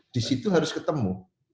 di situ harus ketemu